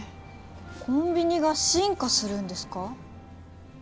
コンビニが進化するんですか？